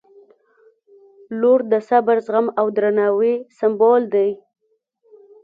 • لور د صبر، زغم او درناوي سمبول دی.